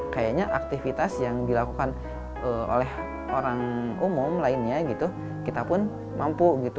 kayaknya aktivitas yang dilakukan oleh orang umum lainnya gitu kita pun mampu gitu